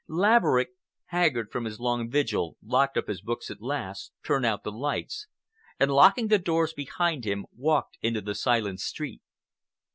Laverick, haggard from his long vigil, locked up his books at last, turned out the lights, and locking the doors behind him walked into the silent street.